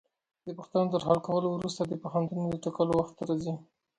د پوښتنو تر حل کولو وروسته د پوهنتونونو د ټاکلو وخت راځي.